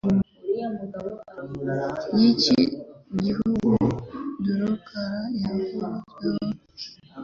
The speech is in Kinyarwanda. Niki gihugu Dracula Yavuzweho